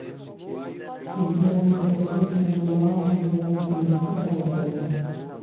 پنځلس ورځې وروسته ما ملا سنډکي ته وویل.